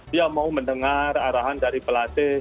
dia mau mendengar arahan dari pelatih